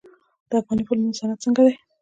د افغاني فلمونو صنعت څنګه دی؟